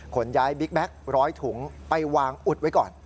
ขนย้ายบิ๊กแก๊ก๑๐๐ถุงไปวางอุดไว้ก่อน